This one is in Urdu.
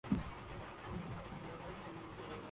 یہ مشکل وقت بھی گزر جائے گا